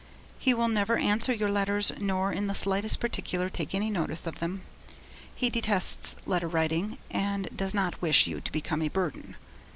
He will never answer your letters, nor in the slightest particular take any notice of them. He detests letter writing and does not wish you to become a burden.